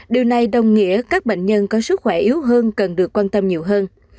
điều này đồng nghĩa các bệnh nhân có sức khỏe yếu hơn cần được quan tâm nhiều hơn